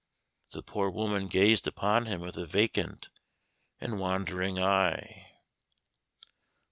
The poor woman gazed upon him with a vacant and wandering eye.